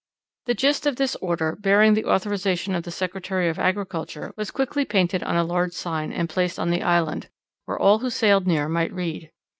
The gist of this order, bearing the authorization of the Secretary of Agriculture, was quickly painted on a large sign, and placed on the island, where all who sailed near might read.